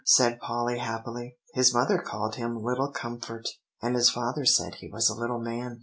said Polly happily. "His mother called him 'Little Comfort,' and his father said he was a little man."